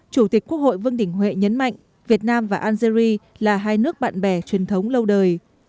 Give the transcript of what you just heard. chủ tịch quốc hội vương đình huệ nhấn mạnh việt nam và algeria là hai nước bạn bè truyền thống lâu đời